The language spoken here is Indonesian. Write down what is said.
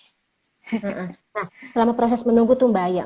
nah selama proses menunggu tuh mba ayah